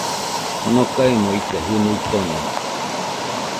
Nokaemo ite jɨnuo tono